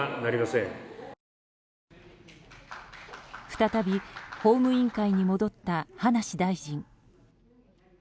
再び、法務委員会に戻った葉梨大臣。